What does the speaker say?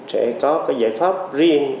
sẽ có cái giải pháp riêng